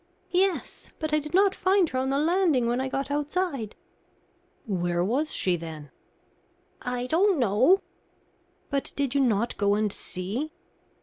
"Yes, but I did not find her on the landing when I got outside." "Where was she, then?" "I don't know." "But did you not go and see?"